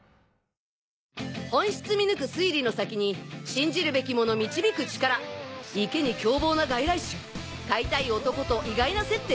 本質見抜く推理の先に信じるべきもの導く力池に凶暴な外来種飼いたい男と意外な接点！